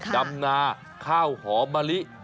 ดำนาข้าวหอมะลิ๑๐๕